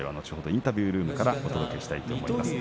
インタビュールームからお届けします。